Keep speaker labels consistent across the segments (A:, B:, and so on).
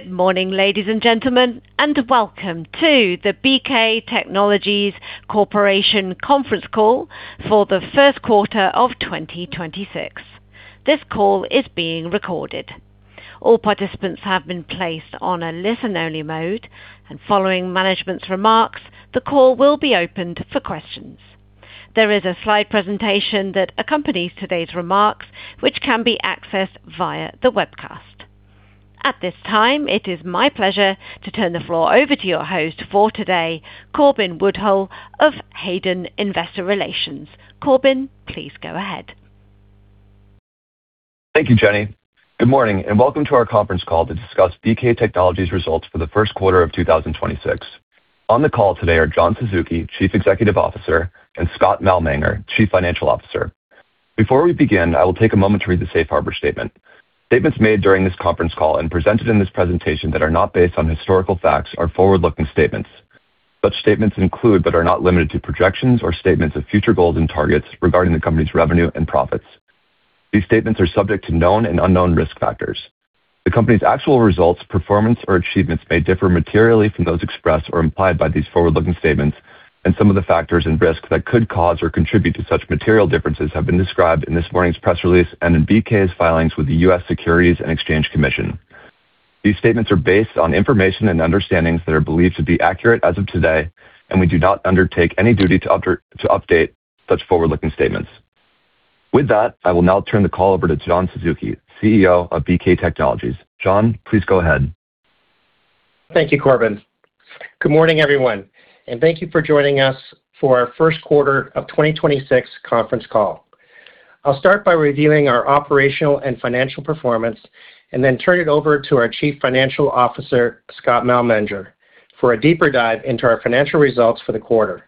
A: Good morning, ladies and gentlemen, welcome to the BK Technologies Corporation conference call for the first quarter of 2026. This call is being recorded. All participants have been placed on a listen-only mode, following management's remarks, the call will be opened for questions. There is a slide presentation that accompanies today's remarks, which can be accessed via the webcast. At this time, it is my pleasure to turn the floor over to your host for today, Corbin Woodhull of Hayden IR. Corbin, please go ahead.
B: Thank you, Jenny. Good morning, and welcome to our conference call to discuss BK Technologies results for the first quarter of 2026. On the call today are John Suzuki, Chief Executive Officer, and Scott Malmanger, Chief Financial Officer. Before we begin, I will take a moment to read the safe harbor statement. Statements made during this conference call and presented in this presentation that are not based on historical facts are forward-looking statements. Such statements include, but are not limited to projections or statements of future goals and targets regarding the company's revenue and profits. These statements are subject to known and unknown risk factors. The company's actual results, performance, or achievements may differ materially from those expressed or implied by these forward-looking statements, and some of the factors and risks that could cause or contribute to such material differences have been described in this morning's press release and in BK's filings with the U.S. Securities and Exchange Commission. These statements are based on information and understandings that are believed to be accurate as of today, and we do not undertake any duty to update such forward-looking statements. With that, I will now turn the call over to John Suzuki, CEO of BK Technologies. John, please go ahead.
C: Thank you, Corbin. Good morning, everyone, and thank you for joining us for our first quarter of 2026 conference call. I'll start by reviewing our operational and financial performance and then turn it over to our Chief Financial Officer, Scott Malmanger, for a deeper dive into our financial results for the quarter.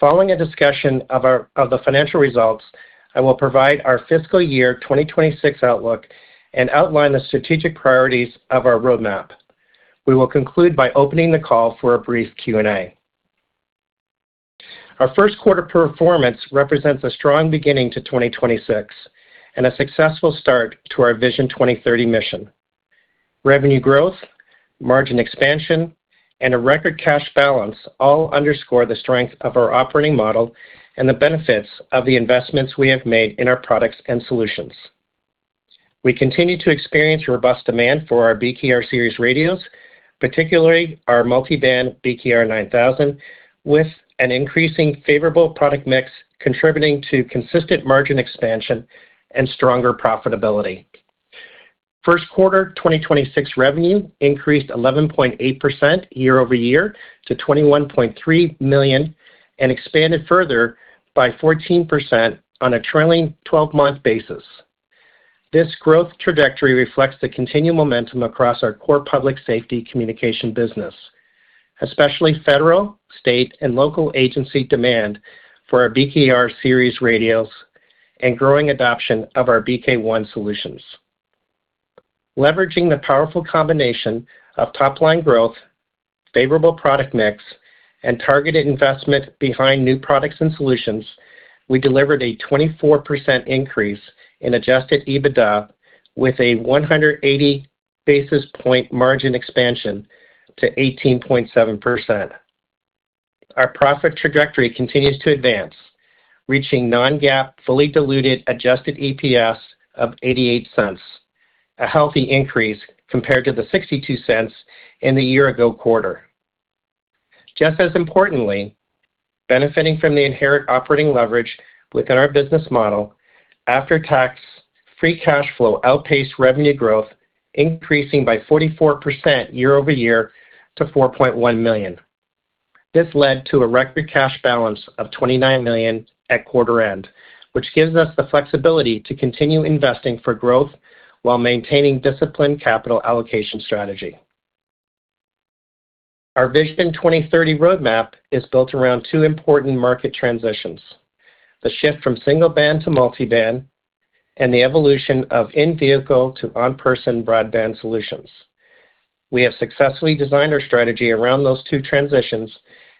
C: Following a discussion of the financial results, I will provide our fiscal year 2026 outlook and outline the strategic priorities of our roadmap. We will conclude by opening the call for a brief Q&A. Our first quarter performance represents a strong beginning to 2026 and a successful start to our Vision 2030 mission. Revenue growth, margin expansion, and a record cash balance all underscore the strength of our operating model and the benefits of the investments we have made in our products and solutions. We continue to experience robust demand for our BKR Series radios, particularly our multiband BKR 9000, with an increasing favorable product mix contributing to consistent margin expansion and stronger profitability. First quarter 2026 revenue increased 11.8% year-over-year to $21.3 million and expanded further by 14% on a trailing 12-month basis. This growth trajectory reflects the continued momentum across our core public safety communication business, especially federal, state, and local agency demand for our BKR Series radios and growing adoption of our BK ONE solutions. Leveraging the powerful combination of top-line growth, favorable product mix, and targeted investment behind new products and solutions, we delivered a 24% increase in adjusted EBITDA with a 180 basis point margin expansion to 18.7%. Our profit trajectory continues to advance, reaching non-GAAP, fully diluted, adjusted EPS of $0.88, a healthy increase compared to the $0.62 in the year-ago quarter. Just as importantly, benefiting from the inherent operating leverage within our business model after tax, free cash flow outpaced revenue growth, increasing by 44% year-over-year to $4.1 million. This led to a record cash balance of $29 million at quarter end, which gives us the flexibility to continue investing for growth while maintaining disciplined capital allocation strategy. Our Vision 2030 roadmap is built around two important market transitions: the shift from single-band to multiband and the evolution of in-vehicle to on-person broadband solutions. We have successfully designed our strategy around those two transitions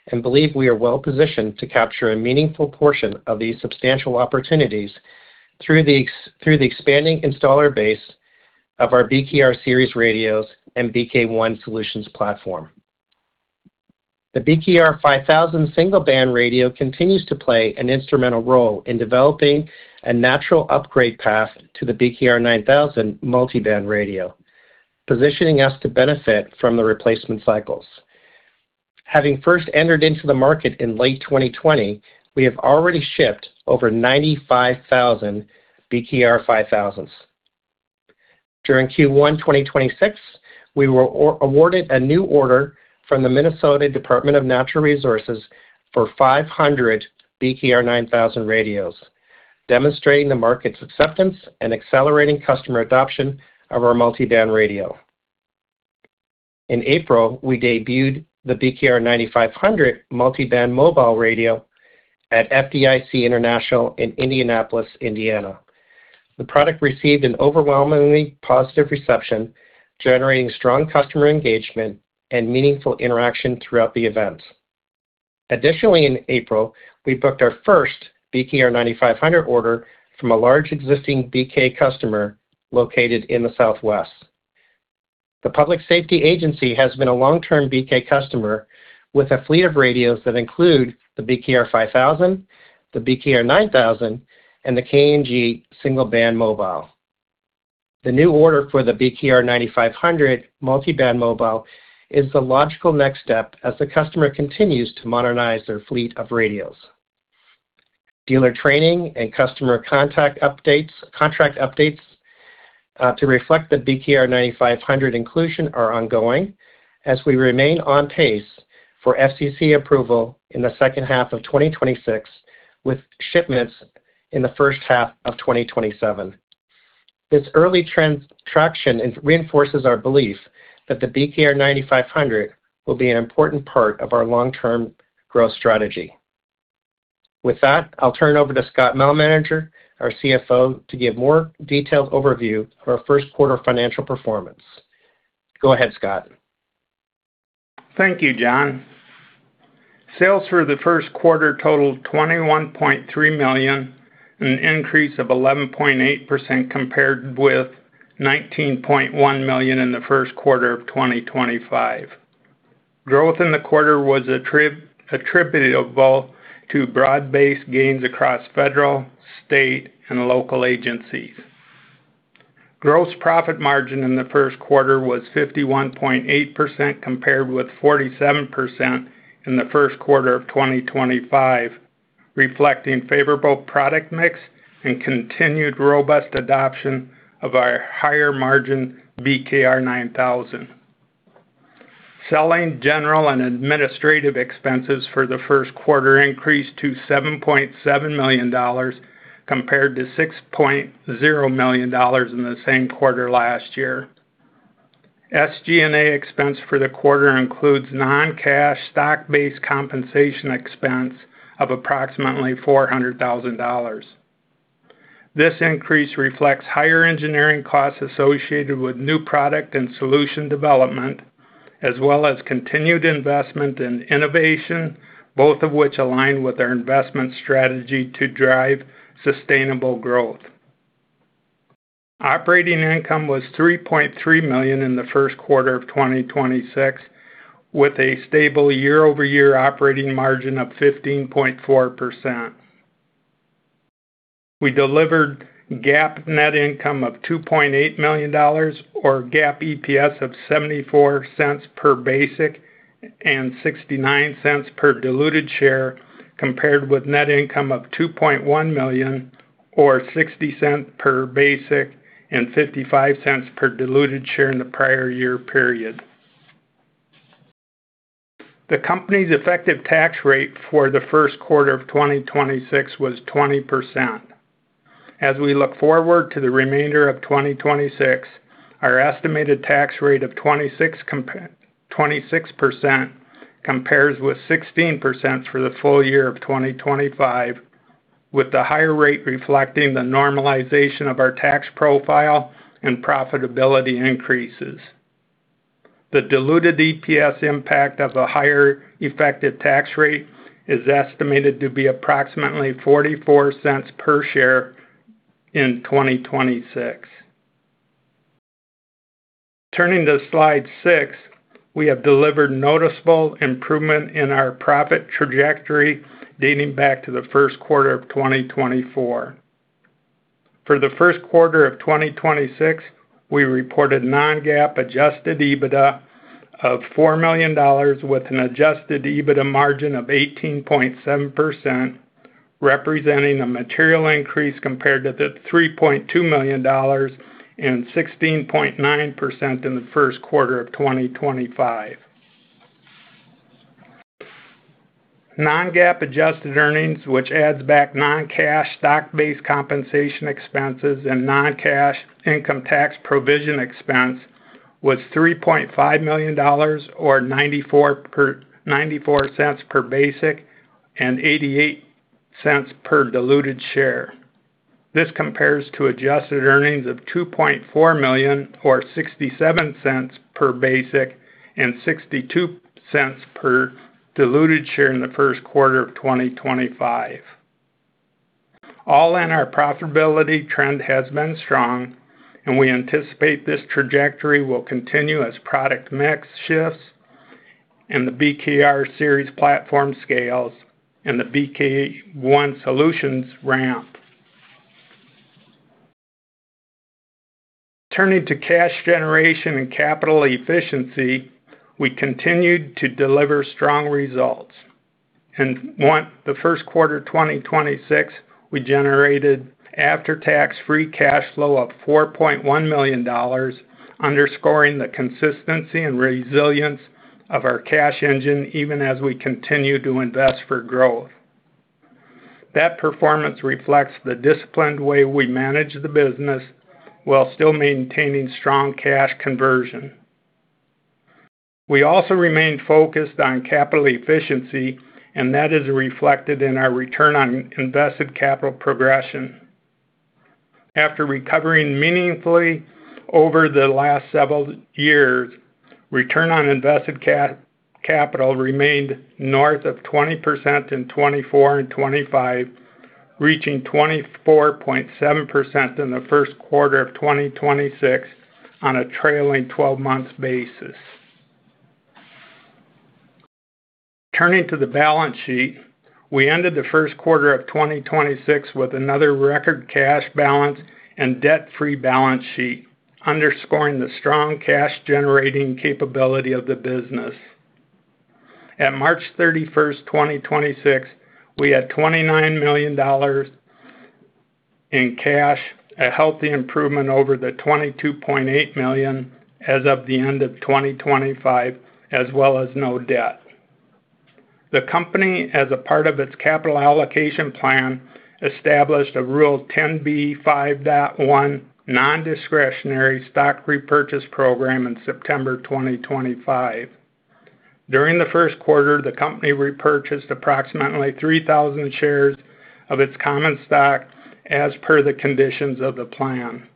C: and believe we are well-positioned to capture a meaningful portion of these substantial opportunities through the expanding installer base of our BKR Series radios and BK ONE solutions platform. The BKR 5000 single-band radio continues to play an instrumental role in developing a natural upgrade path to the BKR 9000 multiband radio, positioning us to benefit from the replacement cycles. Having first entered into the market in late 2020, we have already shipped over 95,000 BKR 5000s. During Q1 2026, we were awarded a new order from the Minnesota Department of Natural Resources for 500 BKR 9000 radios, demonstrating the market's acceptance and accelerating customer adoption of our multiband radio. In April, we debuted the BKR 9500 multiband mobile radio at FDIC International in Indianapolis, Indiana. The product received an overwhelmingly positive reception, generating strong customer engagement and meaningful interaction throughout the event. Additionally, in April, we booked our first BKR 9500 order from a large existing BK customer located in the Southwest. The public safety agency has been a long-term BK customer with a fleet of radios that include the BKR 5000, the BKR 9000, and the KNG single-band mobile. The new order for the BKR 9500 multiband mobile is the logical next step as the customer continues to modernize their fleet of radios. Dealer training and customer contract updates to reflect the BKR 9500 inclusion are ongoing as we remain on pace for FCC approval in the second half of 2026, with shipments in the first half of 2027. This early traction reinforces our belief that the BKR 9500 will be an important part of our long-term growth strategy. With that, I'll turn over to Scott Malmanger, our CFO, to give a more detailed overview of our first quarter financial performance. Go ahead, Scott.
D: Thank you, John. Sales for the first quarter totaled $21.3 million, an increase of 11.8% compared with $19.1 million in the first quarter of 2025. Growth in the quarter was attributable to broad-based gains across federal, state, and local agencies. Gross profit margin in the first quarter was 51.8% compared with 47% in the first quarter of 2025, reflecting favorable product mix and continued robust adoption of our higher-margin BKR 9000. Selling, general, and administrative expenses for the first quarter increased to $7.7 million compared to $6.0 million in the same quarter last year. SG&A expense for the quarter includes non-cash stock-based compensation expense of approximately $400,000. This increase reflects higher engineering costs associated with new product and solution development, as well as continued investment in innovation, both of which align with our investment strategy to drive sustainable growth. Operating income was $3.3 million in the first quarter of 2026, with a stable year-over-year operating margin of 15.4%. We delivered GAAP net income of $2.8 million or GAAP EPS of $0.74 per basic and $0.69 per diluted share, compared with net income of $2.1 million or $0.60 per basic and $0.55 per diluted share in the prior year period. The company's effective tax rate for the first quarter of 2026 was 20%. As we look forward to the remainder of 2026, our estimated tax rate of 26% compares with 16% for the full year of 2025, with the higher rate reflecting the normalization of our tax profile and profitability increases. The diluted EPS impact of a higher effective tax rate is estimated to be approximately $0.44 per share in 2026. Turning to slide six, we have delivered noticeable improvement in our profit trajectory dating back to the first quarter of 2024. For the first quarter of 2026, we reported non-GAAP adjusted EBITDA of $4 million with an adjusted EBITDA margin of 18.7%, representing a material increase compared to the $3.2 million and 16.9% in the first quarter of 2025. Non-GAAP adjusted earnings, which adds back non-cash stock-based compensation expenses and non-cash income tax provision expense, was $3.5 million, or $0.94 per basic and $0.88 per diluted share. This compares to adjusted earnings of $2.4 million or $0.67 per basic and $0.62 per diluted share in the first quarter of 2025. All in, our profitability trend has been strong, and we anticipate this trajectory will continue as product mix shifts and the BKR Series platform scales and the BK ONE solutions ramp. Turning to cash generation and capital efficiency, we continued to deliver strong results. In the first quarter of 2026, we generated after-tax free cash flow of $4.1 million, underscoring the consistency and resilience of our cash engine even as we continue to invest for growth. That performance reflects the disciplined way we manage the business while still maintaining strong cash conversion. That is reflected in our return on invested capital progression. After recovering meaningfully over the last several years, return on invested capital remained north of 20% in 2024 and 2025, reaching 24.7% in the first quarter of 2026 on a trailing 12-month basis. Turning to the balance sheet, we ended the first quarter of 2026 with another record cash balance and debt-free balance sheet, underscoring the strong cash-generating capability of the business. At March 31st, 2026, we had $29 million in cash, a healthy improvement over the $22.8 million as of the end of 2025, as well as no debt. The company, as a part of its capital allocation plan, established a Rule 10b5-1 non-discretionary stock repurchase program in September 2025. During the first quarter, the company repurchased approximately 3,000 shares of its common stock as per the conditions of the plan.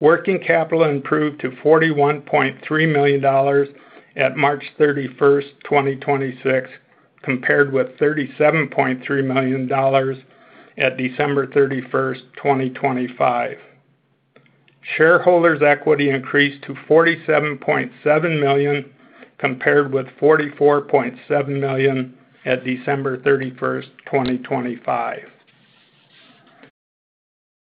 D: Working capital improved to $41.3 million at March 31st, 2026, compared with $37.3 million at December 31st, 2025. Shareholders' equity increased to $47.7 million, compared with $44.7 million at December 31st, 2025.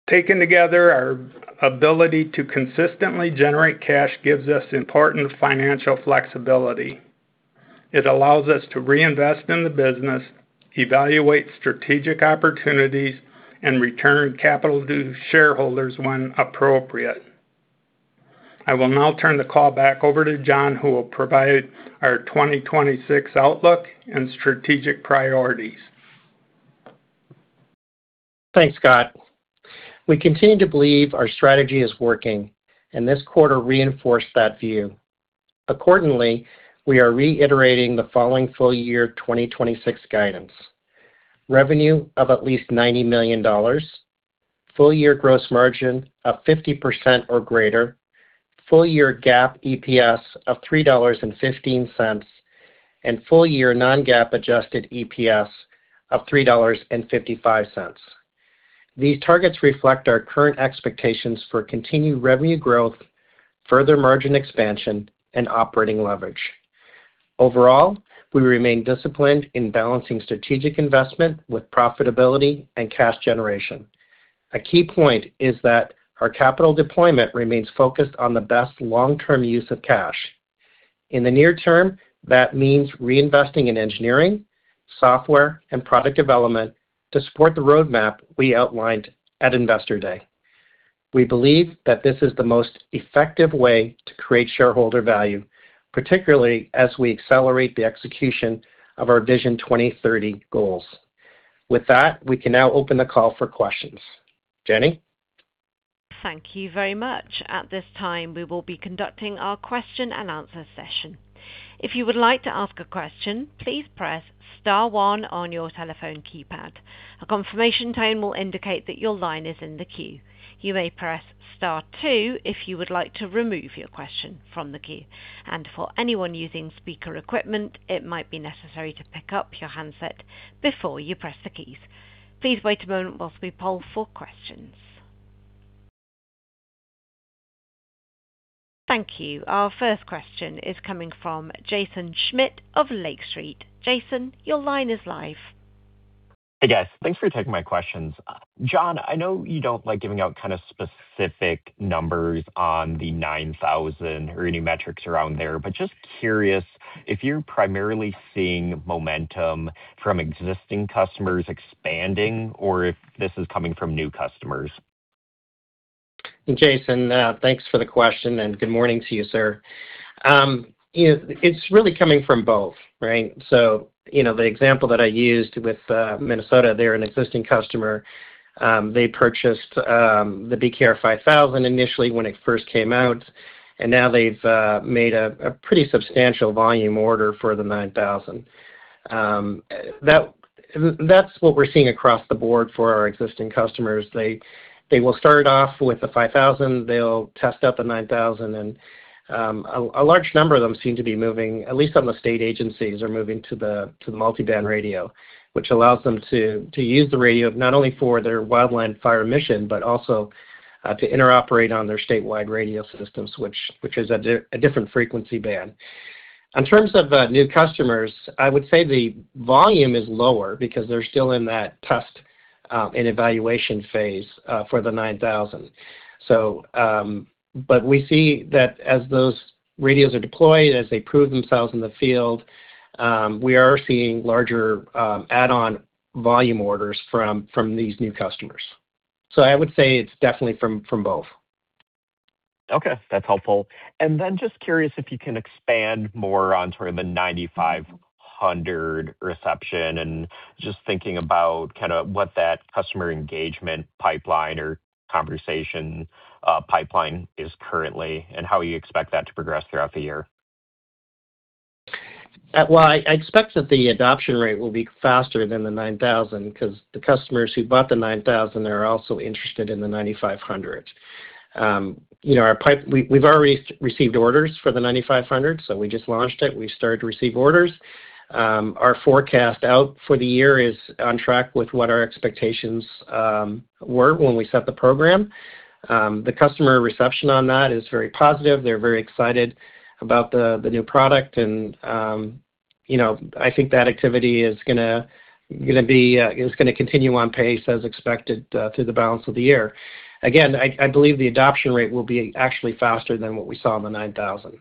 D: Taken together, our ability to consistently generate cash gives us important financial flexibility. It allows us to reinvest in the business, evaluate strategic opportunities, and return capital to shareholders when appropriate. I will now turn the call back over to John, who will provide our 2026 outlook and strategic priorities.
C: Thanks, Scott. We continue to believe our strategy is working, and this quarter reinforced that view. Accordingly, we are reiterating the following full year 2026 guidance: revenue of at least $90 million, full year gross margin of 50% or greater, full year GAAP EPS of $3.15, and full year non-GAAP adjusted EPS of $3.55. These targets reflect our current expectations for continued revenue growth, further margin expansion, and operating leverage. Overall, we remain disciplined in balancing strategic investment with profitability and cash generation. A key point is that our capital deployment remains focused on the best long-term use of cash. In the near term, that means reinvesting in engineering, software, and product development to support the roadmap we outlined at Investor Day. We believe that this is the most effective way to create shareholder value, particularly as we accelerate the execution of our Vision 2030 goals. With that, we can now open the call for questions. Jenny?
A: Thank you very much. This time we will be conducting our question-and-answer session. If you would like to ask a question, please press star one on your telephone keypad. A confirmation tone will indicate that your line is in the queue. You may press star two if you would like to remove your question from the queue. And for anyone using speaker equipment, it might be necessary to pick up your handset, before you press the keys. Please [inaudible] for questions. Thank you. Our first question is coming from Jaeson Schmidt of Lake Street. Jaeson, your line is live.
E: Hey, guys. Thanks for taking my questions. John, I know you don't like giving out kind of specific numbers on the 9000 or any metrics around there, but just curious if you're primarily seeing momentum from existing customers expanding or if this is coming from new customers.
C: Jaeson, thanks for the question, and good morning to you, sir. You know, it's really coming from both, right? You know, the example that I used with Minnesota, they're an existing customer. They purchased the BKR 5000 initially when it first came out, and now they've made a pretty substantial volume order for the 9000. That's what we're seeing across the board for our existing customers. They will start off with the 5000. They'll test out the 9000, and a large number of them seem to be moving, at least some of the state agencies are moving to the multiband radio, which allows them to use the radio not only for their wildland fire mission, but also to interoperate on their statewide radio systems, which is a different frequency band. In terms of new customers, I would say the volume is lower because they're still in that test and evaluation phase for the 9000, but we see that as those radios are deployed, as they prove themselves in the field, we are seeing larger add-on volume orders from these new customers. I would say it's definitely from both.
E: Okay. That's helpful. Just curious if you can expand more on sort of the BKR 9500 reception and just thinking about kind of what that customer engagement pipeline or conversation pipeline is currently and how you expect that to progress throughout the year.
C: Well, I expect that the adoption rate will be faster than the BKR 9000 because the customers who bought the BKR 9000 are also interested in the BKR 9500. You know, we've already received orders for the BKR 9500. We just launched it. We started to receive orders. Our forecast out for the year is on track with what our expectations were when we set the program. The customer reception on that is very positive. They're very excited about the new product and, you know, I think that activity is gonna be, is gonna continue on pace as expected through the balance of the year. I believe the adoption rate will be actually faster than what we saw in the BKR 9000.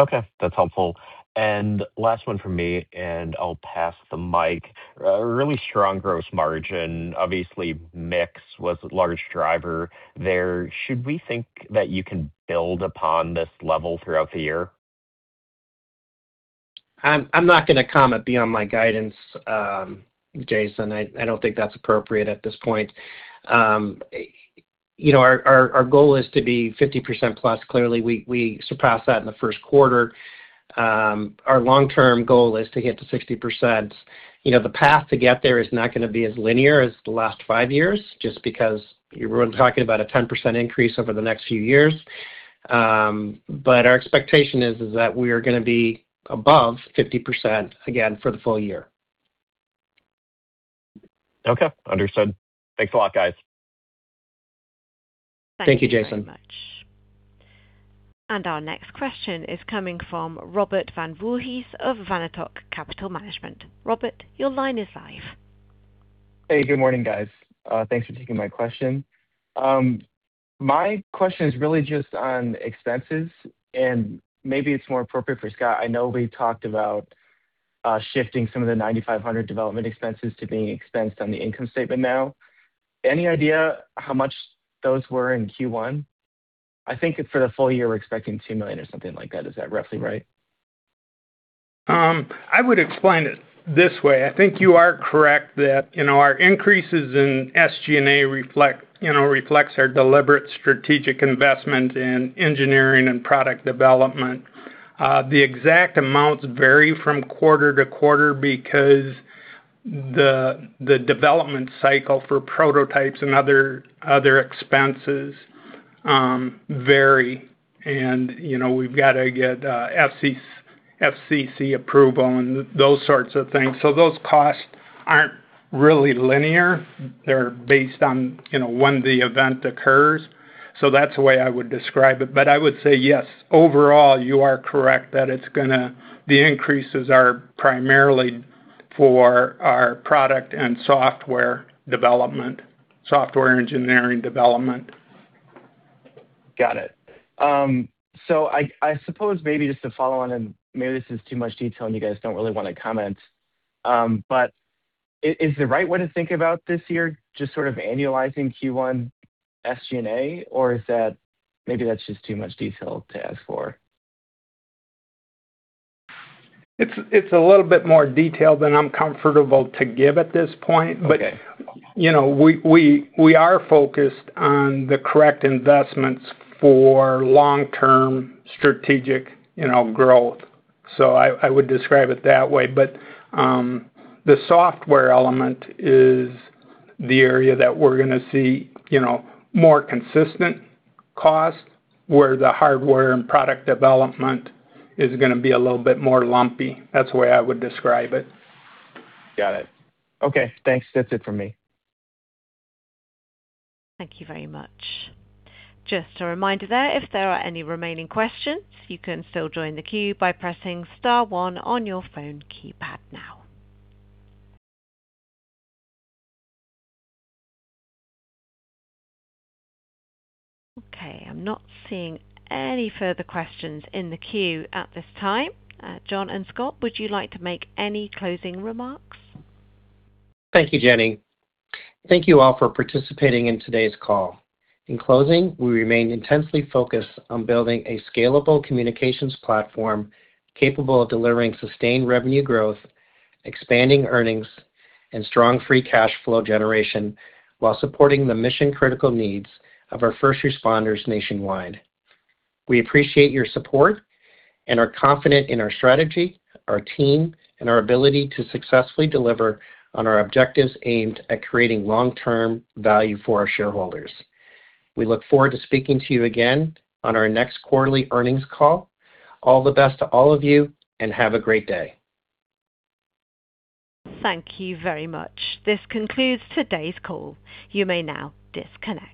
E: Okay, that's helpful. Last one from me, and I'll pass the mic. A really strong gross margin. Obviously, mix was a large driver there. Should we think that you can build upon this level throughout the year?
C: I'm not gonna comment beyond my guidance, Jaeson. I don't think that's appropriate at this point. You know, our goal is to be 50%+. Clearly, we surpassed that in the first quarter. Our long-term goal is to get to 60%. You know, the path to get there is not gonna be as linear as the last five years just because we're talking about a 10% increase over the next few years. Our expectation is that we are gonna be above 50% again for the full year.
E: Okay. Understood. Thanks a lot, guys.
C: Thank you, Jaeson.
A: Thank you very much. Our next question is coming from Robert Van Voorhis of Vanatoc Capital Management. Robert, your line is live.
F: Hey, good morning, guys. Thanks for taking my question. My question is really just on expenses, and maybe it's more appropriate for Scott. I know we talked about shifting some of the 9500 development expenses to being expensed on the income statement now. Any idea how much those were in Q1? I think for the full year, we're expecting $2 million or something like that. Is that roughly right?
D: I would explain it this way. I think you are correct that, you know, our increases in SG&A reflect our deliberate strategic investment in engineering and product development. The exact amounts vary from quarter-to-quarter because the development cycle for prototypes and other expenses vary. You know, we've got to get FCC approval and those sorts of things so those costs aren't really linear. They're based on, you know, when the event occurs so that's the way I would describe it. I would say, yes, overall, you are correct that the increases are primarily for our product and software development, software engineering development.
F: Got it. I suppose maybe just to follow on, and maybe this is too much detail and you guys don't really want to comment, is the right way to think about this year, just sort of annualizing Q1 SG&A, or is that maybe that's just too much detail to ask for?
D: It's a little bit more detail than I'm comfortable to give at this point.
F: Okay.
D: You know, we are focused on the correct investments for long-term strategic, you know, growth. I would describe it that way. The software element is the area that we're gonna see, you know, more consistent cost, where the hardware and product development is gonna be a little bit more lumpy. That's the way I would describe it.
F: Got it. Okay, thanks. That's it for me.
A: Thank you very much. Just a reminder there, if there are any remaining questions, you can still join the queue by pressing star one on your phone keypad now. Okay, I'm not seeing any further questions in the queue at this time. John and Scott, would you like to make any closing remarks?
C: Thank you, Jenny. Thank you all for participating in today's call. In closing, we remain intensely focused on building a scalable communications platform capable of delivering sustained revenue growth, expanding earnings, and strong free cash flow generation while supporting the mission-critical needs of our first responders nationwide. We appreciate your support and are confident in our strategy, our team, and our ability to successfully deliver on our objectives aimed at creating long-term value for our shareholders. We look forward to speaking to you again on our next quarterly earnings call. All the best to all of you, and have a great day.
A: Thank you very much. This concludes today's call. You may now disconnect.